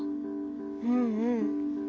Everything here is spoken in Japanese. うんうん。